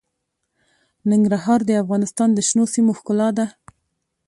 ننګرهار د افغانستان د شنو سیمو ښکلا ده.